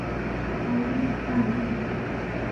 サイエンスチャンネル